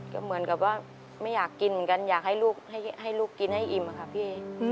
ก็เหมือนกับว่าไม่อยากกินเหมือนกันอยากให้ลูกให้ลูกกินให้อิ่มค่ะพี่